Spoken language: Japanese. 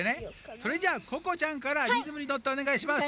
それじゃあここちゃんからリズムにのっておねがいします。